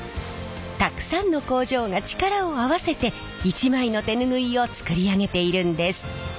たくさんの工場が力を合わせて一枚の手ぬぐいを作り上げているんです。